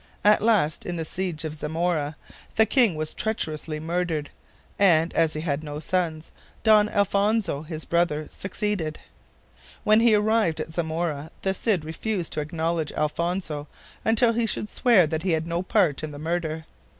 At last, in the siege of Zamora, the king was treacherously murdered, and, as he had no sons, Don Alfonso, his brother, succeeded. When he arrived at Zamora the Cid refused to acknowledge Alfonso until he should swear that he had no part in the murder.